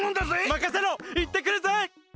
まかせろいってくるぜ！